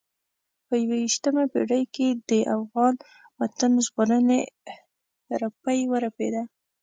په یوه یشتمه پېړۍ کې د افغان وطن ژغورنې رپی ورپېده.